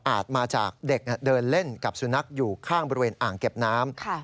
มาจากเด็กเดินเล่นกับสุนัขอยู่ข้างบริเวณอ่างเก็บน้ำ